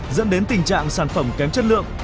dẫn đến tình trạng sản phẩm kém chất lượng